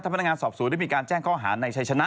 พนักงานสอบสวนได้มีการแจ้งข้อหาในชัยชนะ